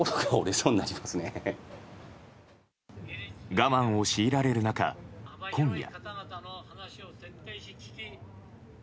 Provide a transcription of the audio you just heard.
我慢を強いられる中、今夜。